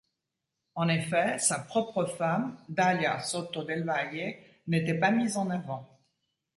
En effet, sa propre femme, Dalia Soto del Valle, n'était pas mise en avant.